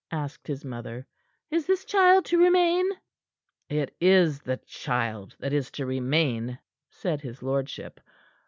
asked his mother. "Is this child to remain?" "It is the child that is to remain," said his lordship.